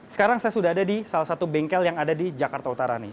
sekarang saya sudah ada di salah satu bengkel yang ada di jakarta utara nih